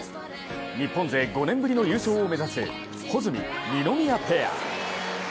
日本勢５年ぶりの優勝を目指す穂積・二宮ペア。